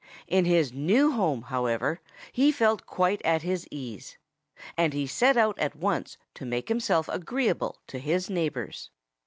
In his new home, however, he felt quite at his ease. And he set out at once to make himself agreeable to his neighbors.